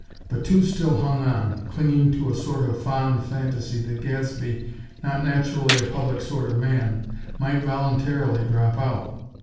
But two still hung on; clinging to a sort of fond fantasy that Gadsby, not naturally a public sort of man, might voluntarily drop out.